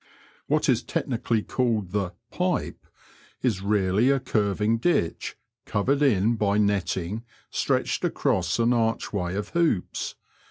What is technically called the pipe " is really a curving ditch covered in by netting stretched across an archway of hoops.